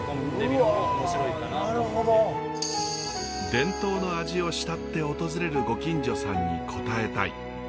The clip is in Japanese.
伝統の味を慕って訪れるご近所さんに応えたい。